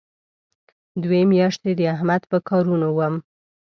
دوې میاشتې د احمد په کارونو وم.